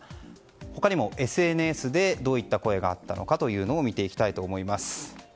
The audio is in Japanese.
他にもＳＮＳでどういった声があったのかを見ていきたいと思います。